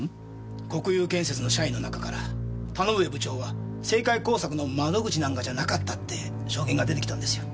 国裕建設の社員の中から田ノ上部長は政界工作の窓口なんかじゃなかったって証言が出てきたんですよ。